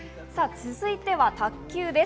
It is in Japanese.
続いては卓球です。